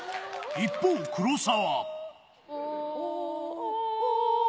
一方、黒沢。